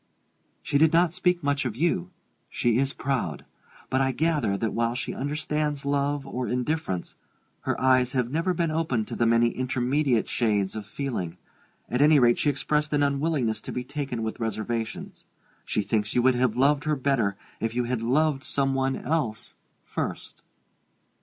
"She did not speak much of you: she is proud. But I gather that while she understands love or indifference, her eyes have never been opened to the many intermediate shades of feeling. At any rate, she expressed an unwillingness to be taken with reservations she thinks you would have loved her better if you had loved some one else first.